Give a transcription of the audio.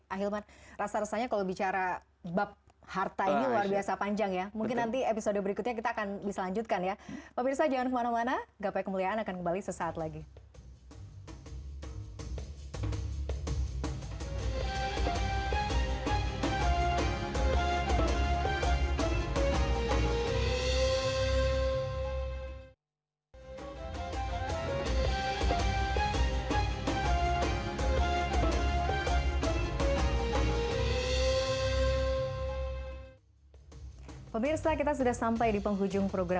ahilman rasa rasanya kalau bicara bab harta ini luar biasa panjang ya